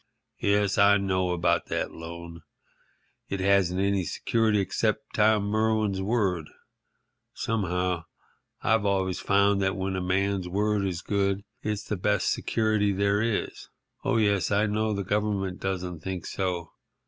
"Yes, I know about that loan. It hasn't any security except Tom Merwin's word. Somehow, I've always found that when a man's word is good it's the best security there is. Oh, yes, I know the Government doesn't think so.